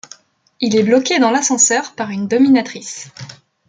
Il est bloqué dans l'ascenseur par une dominatrice.